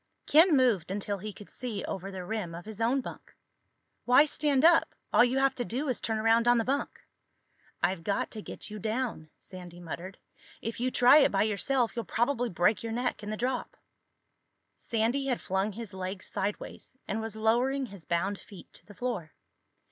Ken moved until he could see over the rim of his own bunk. "Why stand up? All you have to do is turn around on the bunk." "I've got to get you down," Sandy muttered. "If you try it by yourself you'll probably break your neck in the drop." Sandy had flung his legs sideways and was lowering his bound feet to the floor.